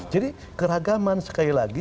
jadi keragaman sekali lagi